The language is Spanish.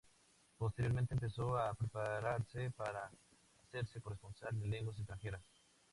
Posteriormente empezó a prepararse para hacerse corresponsal en lenguas extranjeras.